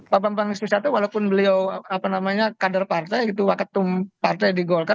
pak bambang wismisato walaupun beliau apa namanya kader partai itu waketum partai di golkar